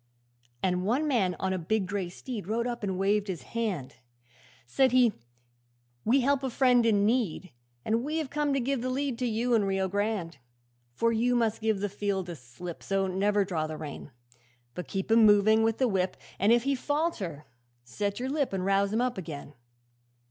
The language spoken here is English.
'And one man on a big grey steed Rode up and waved his hand; Said he, "We help a friend in need, And we have come to give a lead To you and Rio Grande. '"For you must give the field the slip, So never draw the rein, But keep him moving with the whip, And if he falter set your lip And rouse him up again.